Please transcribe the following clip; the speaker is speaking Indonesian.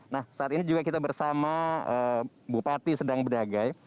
nah saat ini juga kita bersama bupati sedang bedagai